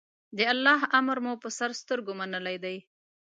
د الله امر مو په سر سترګو منلی دی.